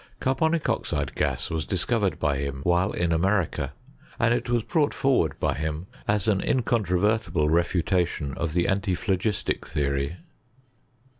Carbonic oxide gas was discovered by him while in America, and it was brought forward by him as an incoDtro vertlble refutation of the antiphlogistic theory.